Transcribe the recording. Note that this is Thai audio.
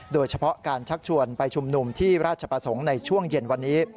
โดยเฉพาะการชักชวนไปชุมนุมที่ราชประสงค์ในช่วงเย็นวันนี้